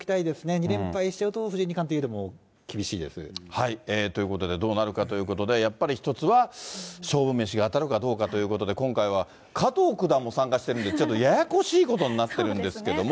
２連敗しちゃうと、藤井二冠といということでどうなるかということで、やっぱり一つは勝負メシが当たるかどうかということで、今回は加藤九段も参加してるんで、ちょっとややこしいことになってるんですけども。